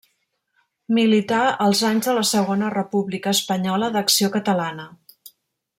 Milità als anys de la Segona República Espanyola d'Acció Catalana.